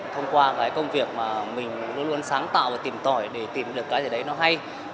thông qua cái công việc mà mình luôn luôn sáng tạo và tìm tỏi để tìm được cái gì đấy nó hay